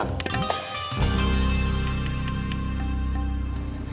masih mikirin kandang ayam